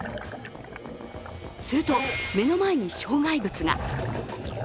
すると、目の前に障害物が。